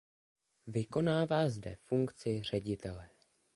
Vykonává zde funkci ředitele.